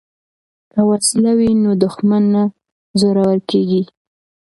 که وسله وي نو دښمن نه زړور کیږي.